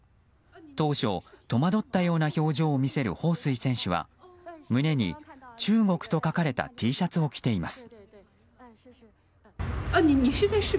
当初戸惑ったような表情を見せるホウ・スイ選手は胸に「中国」と書かれたＴシャツを着ています。